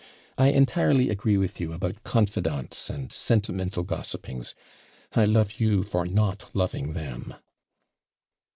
I entirely agree with you about CONFIDANTES and sentimental gossipings. I love you for not loving them.'